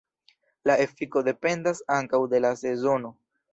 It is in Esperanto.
La efiko dependas ankaŭ de la sezono.